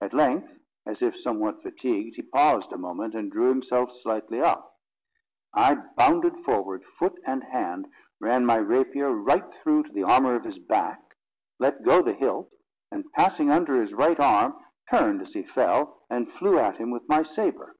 At length, as if somewhat fatigued, he paused a moment, and drew himself slightly up; I bounded forward, foot and hand, ran my rapier right through to the armour of his back, let go the hilt, and passing under his right arm, turned as he fell, and flew at him with my sabre.